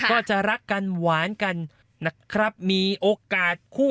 ก็จะรักกันหวานกันนะครับมีโอกาสคู่